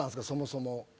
そもそも。